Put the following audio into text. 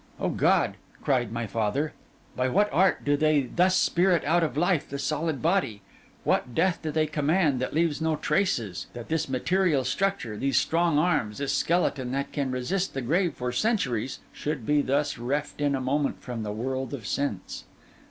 O God!' cried my father, 'by what art do they thus spirit out of life the solid body? What death do they command that leaves no traces? that this material structure, these strong arms, this skeleton that can resist the grave for centuries, should be thus reft in a moment from the world of sense?